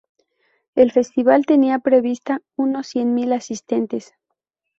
El festival tenía prevista unos cien mil asistentes.